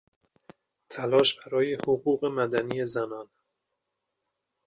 تلاش برای حقوق مدنی زنان